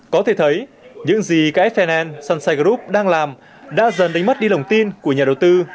có thể thấy những gì ks finance sunshine group đang làm đã dần đánh mất đi lồng tin của nhà đầu tư